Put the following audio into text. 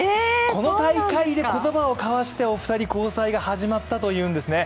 この大会で言葉を交わしてお二人交際が始まったというんですね。